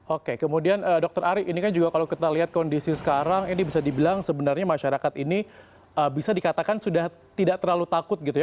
oke kemudian dokter ari ini kan juga kalau kita lihat kondisi sekarang ini bisa dibilang sebenarnya masyarakat ini bisa dikatakan sudah tidak terlalu takut gitu ya